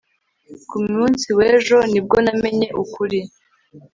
ku munsi w'ejo ni bwo namenye ukuri